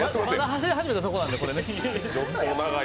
走り始めたところなんで。